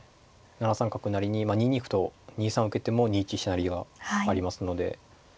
７三角成に２二歩と２三受けても２一飛車成がありますので。